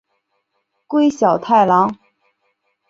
桂小太郎。